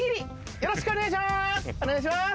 よろしくお願いします。